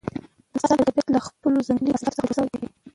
د افغانستان طبیعت له خپلو ځنګلي حاصلاتو څخه جوړ شوی دی.